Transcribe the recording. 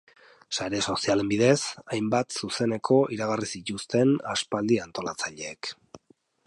Sare sozialen bidez, hainbat zuzeneko iragarri zituzten aspaldi antolatzaileek.